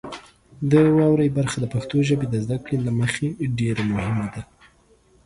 د واورئ برخه د پښتو ژبې د زده کړې له مخې ډیره مهمه ده.